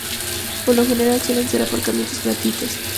Por lo general suelen ser aparcamientos gratuitos.